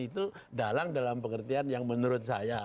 itu dalang dalam pengertian yang menurut saya